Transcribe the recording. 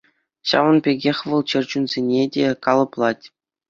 Ҫавӑн пекех вӑл чӗр чунсене те калӑплать.